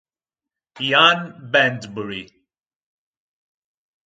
Ian Banbury